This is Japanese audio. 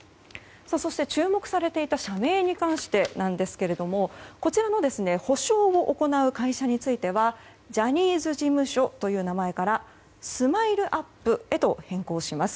そして、注目されていた社名に関してですが補償を行う会社についてはジャニーズ事務所という名前からＳＭＩＬＥ‐ＵＰ．へと変更します。